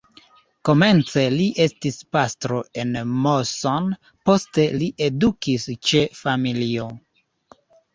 Komence li estis pastro en Moson, poste li edukis ĉe familio.